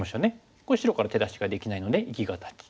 これ白から手出しができないので生き形。